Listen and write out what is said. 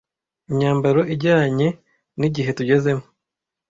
imyambaro ijyanye n igihe tugezemo